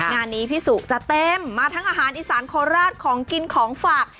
งานนี้พี่สุจะเต็มมาทั้งอาหารอีสานโคราชของกินของฝาก